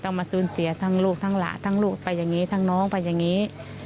มาสูญเสียทั้งลูกทั้งหลานทั้งลูกไปอย่างนี้ทั้งน้องไปอย่างนี้